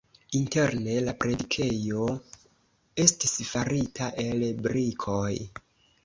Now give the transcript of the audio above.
Interne la predikejo estis farita el brikoj.